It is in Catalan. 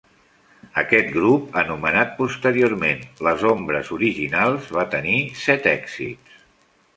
Aquest grup, anomenat posteriorment "les Ombres Originals", va tenir set èxits.